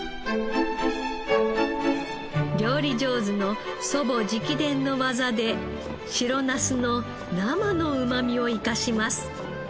料理上手の祖母直伝の技で白ナスの生のうまみを生かします。